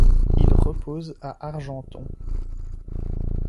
Il repose à Argenton.